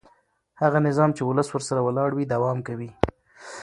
هغه نظام چې ولس ورسره ولاړ وي دوام کوي